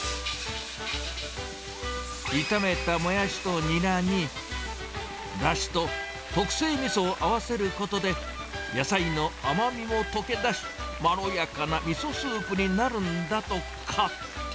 炒めたモヤシとニラに、だしと特製みそを合わせることで、野菜の甘みも溶け出し、まろやかなみそスープになるんだとか。